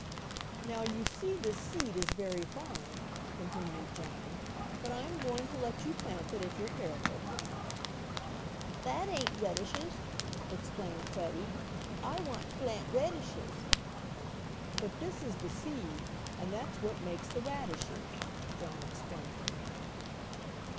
"Now, you see this seed is very fine," continued John. "But I am going to let you plant it if you're careful." "That ain't redishes!" exclaimed Freddie "I want to plant redishes." "But this is the seed, and that's what makes the radishes," John explained.